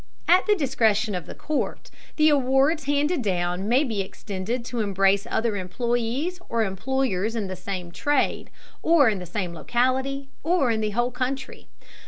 At the discretion of the court, the awards handed down may be extended to embrace other employees or employers in the same trade, or in the same locality, or in the whole country.